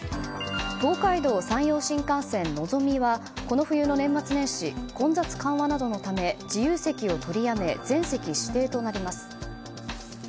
東海道・山陽新幹線「のぞみ」はこの冬の年末年始混雑緩和などのため自由席を取りやめ全席指定となります。